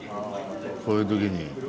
こういう時にうん。